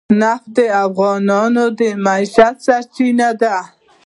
نفت د افغانانو د معیشت سرچینه ده.